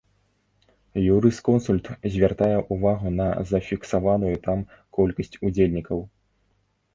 Юрысконсульт звяртае ўвагу на зафіксаваную там колькасць удзельнікаў.